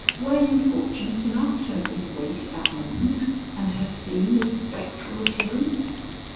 Were you fortunate enough to have been awake at that moment and to have seen this spectral appearance?"